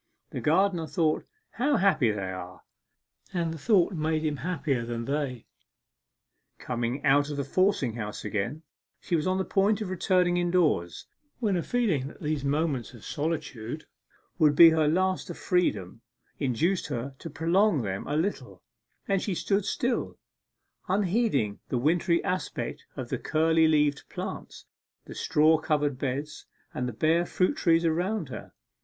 The gardener thought 'How happy they are!' and the thought made him happier than they. Coming out of the forcing house again, she was on the point of returning indoors, when a feeling that these moments of solitude would be her last of freedom induced her to prolong them a little, and she stood still, unheeding the wintry aspect of the curly leaved plants, the straw covered beds, and the bare fruit trees around her.